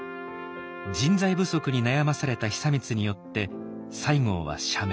人材不足に悩まされた久光によって西郷は赦免。